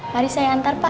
mari saya antar pak